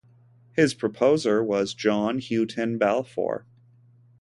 His proposer was John Hutton Balfour.